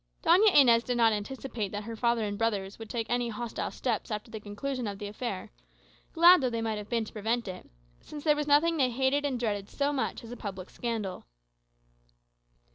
Doña Inez did not anticipate that her father and brothers would take any hostile steps after the conclusion of the affair glad though they might have been to prevent it since there was nothing which they hated and dreaded so much as a public scandal.